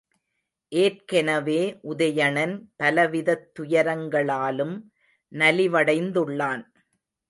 ஏற்கெனவே உதயணன் பலவிதத் துயரங்களாலும் நலிவடைந்துள்ளான்.